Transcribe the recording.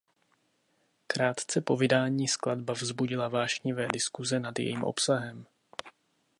Krátce po vydání skladba vzbudila vášnivé diskuse nad jejím obsahem.